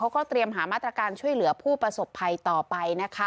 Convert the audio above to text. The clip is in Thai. เขาก็เตรียมหามาตรการช่วยเหลือผู้ประสบภัยต่อไปนะคะ